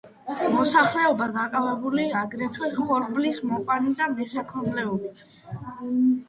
მოსახლეობა დაკავებული აგრეთვე ხორბლის მოყვანით და მესაქონლეობით.